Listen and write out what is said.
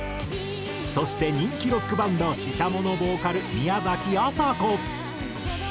そして人気ロックバンドＳＨＩＳＨＡＭＯのボーカル宮崎朝子。